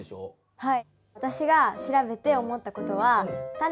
はい。